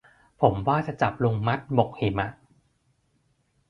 ผมว่าจะจับลุงมัดหมกหิมะ